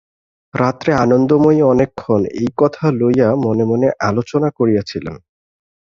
রাত্রে আনন্দময়ী অনেকক্ষণ এই কথা লইয়া মনে মনে আলোচনা করিয়াছিলেন।